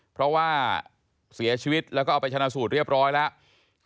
เพราะว่าเสียชีวิตแล้วก็เอาไปชนะสูตรเรียบร้อยแล้ว